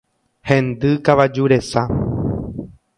Hendy kavaju resa.